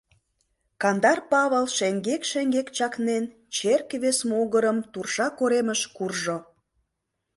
Кандар Павыл, шеҥгек-шеҥгек чакнен, черке вес могырым Турша коремыш куржо.